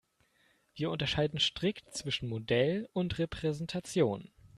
Wir unterscheiden strikt zwischen Modell und Repräsentation.